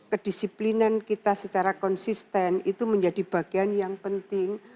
kedisiplinan kita secara konsisten itu menjadi bagian yang penting